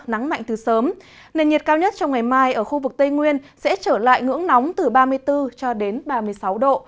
nắng mạnh từ sớm nền nhiệt cao nhất trong ngày mai ở khu vực tây nguyên sẽ trở lại ngưỡng nóng từ ba mươi bốn cho đến ba mươi sáu độ